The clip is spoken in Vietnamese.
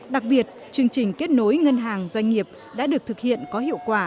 đặc biệt chương trình kết nối ngân hàng doanh nghiệp đã được thực hiện có hiệu quả